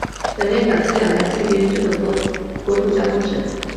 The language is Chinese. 本列表资料来自于日本国国土交通省。